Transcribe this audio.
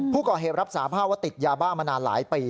ผู้เกาะเหตุรับสามารถติดยาบ้ามาหลายปี